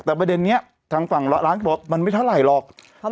แต่ประเด็นนี้ทางฝั่งร้านก็บอกมันไม่เท่าไหร่หรอก